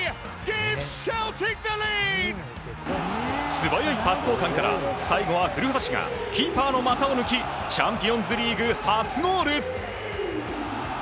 素早いパス交換から最後は古橋がキーパーの股を抜きチャンピオンズリーグ初ゴール！